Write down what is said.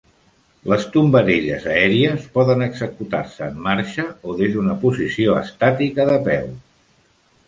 Les tombarelles aèries poden executar-se en marxa o des d'una posició estàtica de peu.